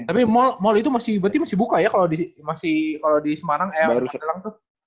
tapi mall itu berarti masih buka ya kalau di semarang